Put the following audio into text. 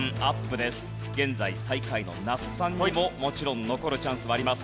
現在最下位の那須さんにももちろん残るチャンスはあります。